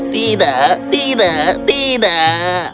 tidak tidak tidak